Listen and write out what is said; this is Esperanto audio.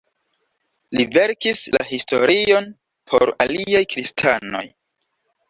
Li verkis la historion por aliaj kristanoj.